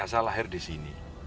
saya lahir di sini